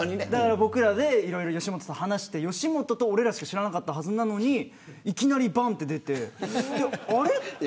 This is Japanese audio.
僕らで、いろいろ吉本と話して吉本と俺らしか知らなかったはずなのにいきなり出て、あれって。